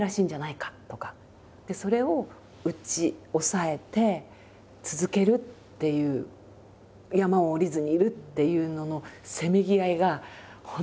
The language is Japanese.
それを内抑えて続けるっていう山を下りずにいるっていうののせめぎ合いが本当に大変だった。